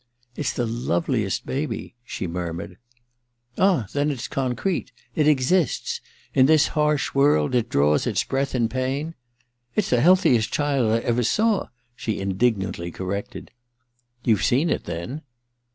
* It's the loveliest baby ' she murmured. *Ah, then it's concrete. It exists. In this harsh world it draws its breath in pain '^ It's the healthiest child I ever saw !' she indignantly corrected. * I ou've seen it, then